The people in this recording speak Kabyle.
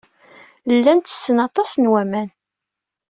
Llan ttessen aṭas n waman.